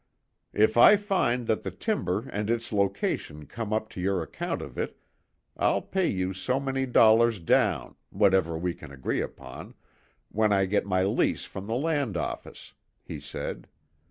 "If I find that the timber and its location come up to your account of it, I'll pay you so many dollars down whatever we can agree upon when I get my lease from the land office," he said.